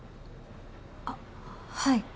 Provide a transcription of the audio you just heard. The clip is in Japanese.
あっはい☎